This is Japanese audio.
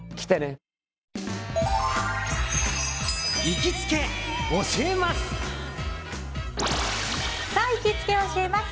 行きつけ教えます！